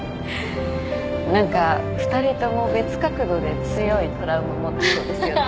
何か２人とも別角度で強いトラウマ持ってそうですよね。